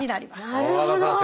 なるほど！